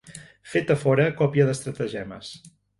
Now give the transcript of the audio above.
Feta fora a còpia d'estratagemes.